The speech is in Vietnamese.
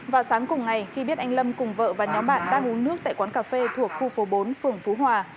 vào sáng cùng ngày khi biết anh lâm cùng vợ và nhóm bạn đang uống nước tại quán cà phê thuộc khu phố bốn phường phú hòa